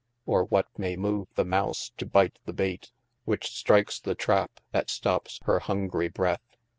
Or what may move the Mouse to byte the bayte Which strikes the trappe, that stops hir hungry breth?